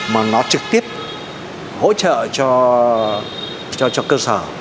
mà nó trực tiếp hỗ trợ cho cơ sở